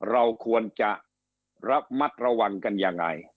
เราควรจะรับมัดระวังกันอย่างไร